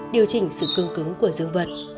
điều chỉnh sự cưng cứng của dương vật